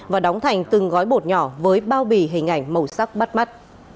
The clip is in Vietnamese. và đóng thành từng gói bột nhỏ với bao bì hình ảnh màu sắc bắt mắt